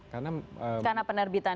karena penerbitan itu